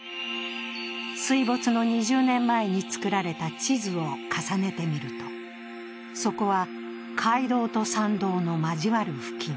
水没の２０年前に作られた地図を重ねてみるとそこは街道と参道の交わる付近。